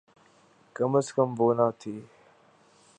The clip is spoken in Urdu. کم از کم وہ نہ تھی۔